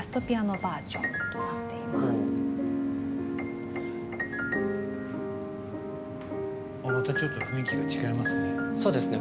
またちょっと雰囲気が違いますね。